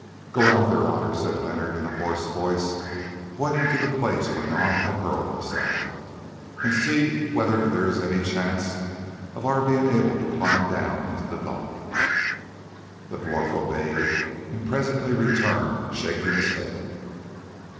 "Go out there, Otter," said Leonard in a hoarse voice, pointing to the place where Nam had hurled himself, "and see whether there is any chance of our being able to climb down into the gulf." The dwarf obeyed and presently returned shaking his head.